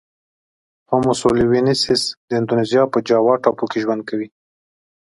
هومو سولوینسیس د اندونزیا په جاوا ټاپو کې ژوند کاوه.